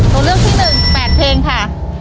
ตัวเลือดที่หนึ่ง๘เพลงค่ะ